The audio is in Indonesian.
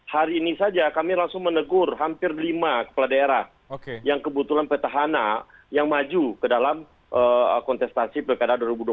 hari ini saja kami langsung menegur hampir lima kepala daerah yang kebetulan petahana yang maju ke dalam kontestasi pilkada dua ribu dua puluh